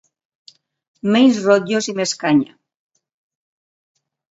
Menys rotllos i més canya!